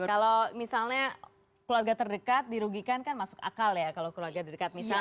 kalau misalnya keluarga terdekat dirugikan kan masuk akal ya kalau keluarga dekat misalnya